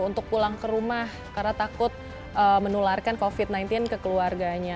untuk pulang ke rumah karena takut menularkan covid sembilan belas ke keluarganya